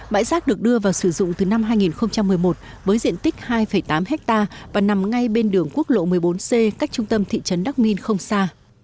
bãi rác được đưa vào sử dụng từ năm hai nghìn một mươi một với diện tích hai tám ha và nằm ngay bên đường quốc lộ một mươi bốn c cách trung tâm thị trấn đắc minh không xa